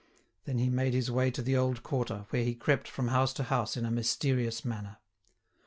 Then he made his way to the old quarter, where he crept from house to house in a mysterious manner.